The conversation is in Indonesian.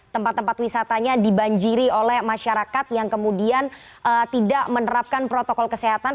tempat tempat wisatanya dibanjiri oleh masyarakat yang kemudian tidak menerapkan protokol kesehatan